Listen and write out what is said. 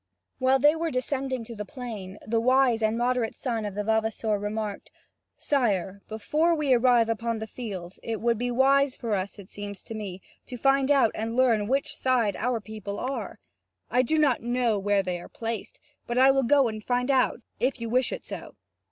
While they were descending to the plain, the wise and moderate son of the vavasor remarked: "Sire, before we arrive upon the field, it would be wise for us, it seems to me, to find out and learn on which side our people are. I do not know where they are placed, but I will go and find out, if you wish it so."